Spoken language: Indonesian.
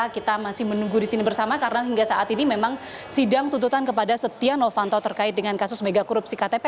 kita masih menunggu di sini bersama karena hingga saat ini memang sidang tuntutan kepada setia novanto terkait dengan kasus megakorupsi ktp